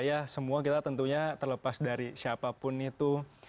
ya semua kita tentunya terlepas dari siapapun itu